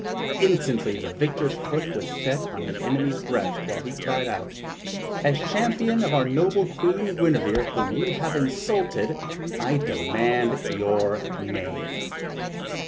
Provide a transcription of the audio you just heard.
Instantly the victor's foot was set on his enemy's breast, while he cried out: "As champion of our noble Queen Guinevere whom you have insulted, I demand your name!"